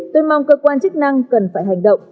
tôi mong cơ quan chức năng cần phải hành động